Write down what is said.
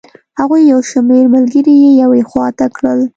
هغوی یو شمېر ملګري یې یوې خوا ته کړل.